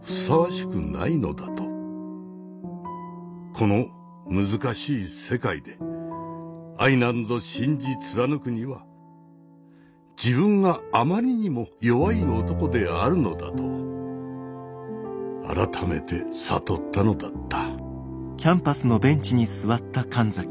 この難しい世界で愛なんぞ信じ貫くには自分があまりにも弱い男であるのだと改めて悟ったのだった。